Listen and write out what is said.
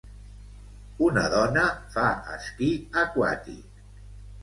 Una dona fa esquí aquàtic